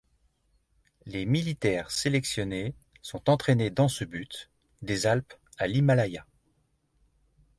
Les militaires sélectionnés sont entraînés dans ce but, des Alpes à l'Himalaya.